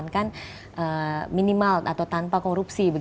bukan minimal atau tanpa korupsi